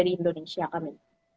di indonesia kami